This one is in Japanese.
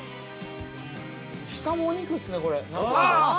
◆下もお肉っすね、これ。